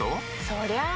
そりゃあ